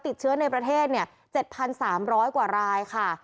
ติดเชื้อในประเทศ๗๓๐๐กว่ารายค่ะ